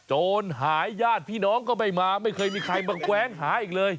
โจรหายญาติพี่น้องก็ไม่มาไม่เคยมีใครมาแกว้งหาอีกเลย